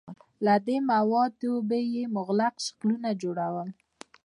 له دې موادو به یې مغلق شکلونه جوړول.